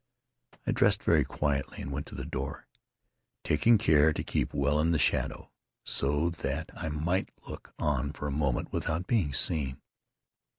I dressed very quietly and went to the door, taking care to keep well in the shadow so that I might look on for a moment without being seen.